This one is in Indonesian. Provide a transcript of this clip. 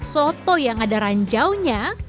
soto yang ada ranjaunya